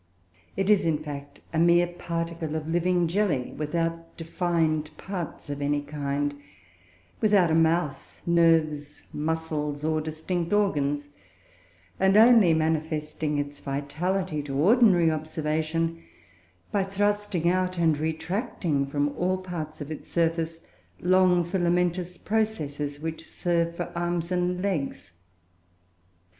It is, in fact, a mere particle of living jelly, without defined parts of any kind without a mouth, nerves, muscles, or distinct organs, and only manifesting its vitality to ordinary observation by thrusting out and retracting from all parts of its surface, long filamentous processes, which serve for arms and legs.